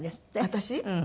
私？